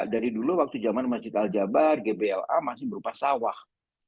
dari dulu waktu zaman masjid al jabar gbla masih berupa sawah